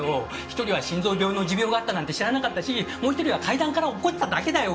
１人は心臓病の持病があったなんて知らなかったしもう１人は階段から落っこちただけだよ。